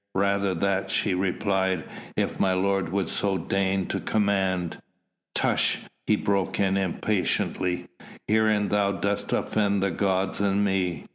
"Rather that," she replied, "if my lord would so deign to command." "Tush!" he broke in impatiently. "Herein thou dost offend the gods and me!